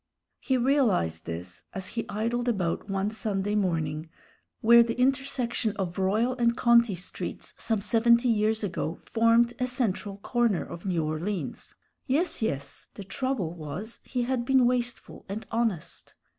He realized this, as he idled about one Sunday morning where the intersection of Royal and Conti Streets some seventy years ago formed a central corner of New Orleans. Yes, yes, the trouble was he had been wasteful and honest.